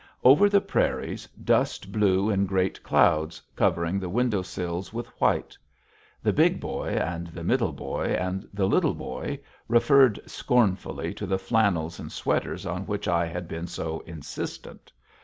Over the prairies, dust blew in great clouds, covering the window sills with white. The Big Boy and the Middle Boy and the Little Boy referred scornfully to the flannels and sweaters on which I had been so insistent.